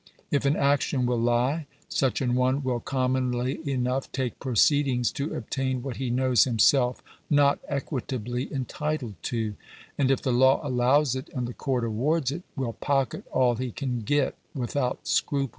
If " an action will lie," such an one will commonly enough take proceedings to obtain what he knows himself not equitably entitled to ; and if " the law allows it and the court awards it," will pocket all he can get without scruple.